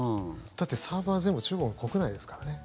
だってサーバー全部中国国内ですからね。